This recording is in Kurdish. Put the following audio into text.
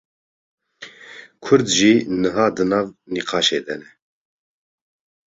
Kurd jî niha di nav nîqaşê de ne